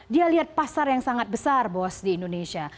dia lihat pasar yang sangat besar bos di indonesia